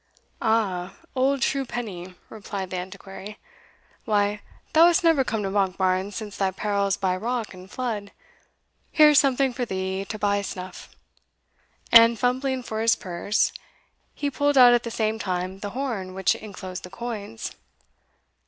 "Aha, old true penny!" replied the Antiquary. "Why, thou hast never come to Monkbarns since thy perils by rock and flood here's something for thee to buy snuff," and, fumbling for his purse, he pulled out at the same time the horn which enclosed the coins.